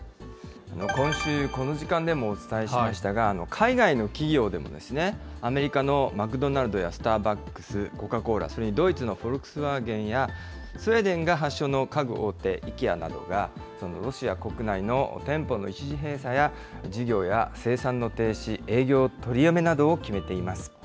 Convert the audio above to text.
今週、この時間でもお伝えしましたが、海外の企業でも、アメリカのマクドナルドやスターバックス、コカ・コーラ、それにドイツのフォルクスワーゲンや、スウェーデンが発祥の家具大手、イケアなどが、ロシア国内の店舗の一時閉鎖や、事業や生産の停止、営業取りやめなどを決めています。